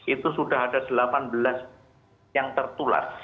itu sudah ada delapan belas yang tertular